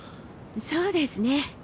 そうですね。